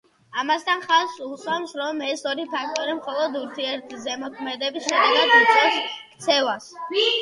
ამასთან ხაზს უსვამს, რომ ეს ორი ფაქტორი, მხოლოდ ურთიერთზემოქმედების შედეგად იწვევს ქცევას.